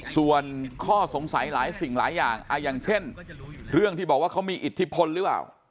ส่วนข้อสงสัยหลายสิ่งหลายอย่างอย่างเช่นเรื่องที่บอกว่าเขามีอิทธิพลหรือเปล่า